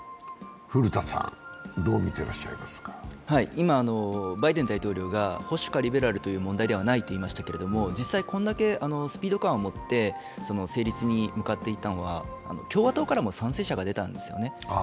今、バイデン大統領が保守かリベラルという問題ではないとおっしゃっていましたけれども、実際これだけスピード感を持って成立に向かっていったのは共和党からも賛成者が出たんですよね。